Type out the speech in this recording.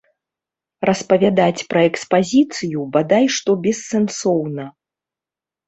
Распавядаць пра экспазіцыю бадай што бессэнсоўна.